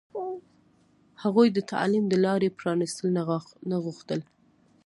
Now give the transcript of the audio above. هغوی د تعلیم د لارې پرانستل نه غوښتل.